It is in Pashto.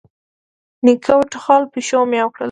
نيکه وټوخل، پيشو ميو کړل.